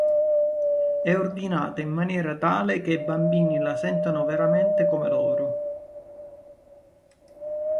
È ordinata in maniera tale che i bambini la sentano veramente come loro.